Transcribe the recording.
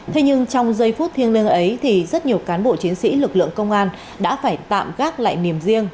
thế nhưng trong giây phút thiêng liêng ấy thì rất nhiều cán bộ chiến sĩ lực lượng công an đã phải tạm gác lại niềm riêng